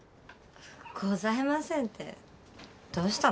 ございませんってどうしたの？